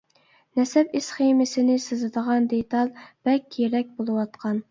نەسەب ئىسخېمىسىنى سىزىدىغان دېتال بەك كېرەك بولۇۋاتقان.